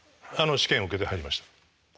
試験受けて入りました。